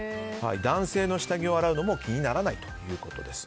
男性の下着を洗うのも気にならないということです。